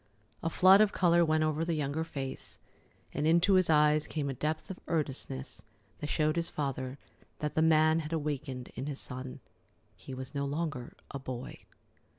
A flood of color went over the younger face, and into his eyes came a depth of earnestness that showed his father that the man had awakened in his son. He was no longer a boy.